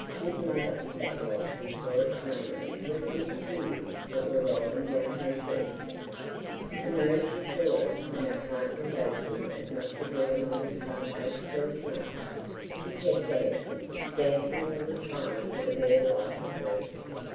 His mother it was who saw it plainly through the big tears that were rolling down her cheeks; and though she saw it, and her heart was aching as much as ever mother's heart ached for a son, she kept dancing, dancing all the time for the bare life of her.